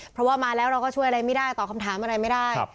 เพราะว่ามาแล้วเราก็ช่วยอะไรไม่ได้ตอบคำถามอะไรไม่ได้